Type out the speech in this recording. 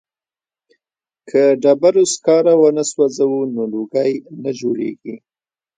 که ډبرو سکاره ونه سوځوو نو لوګی نه جوړیږي.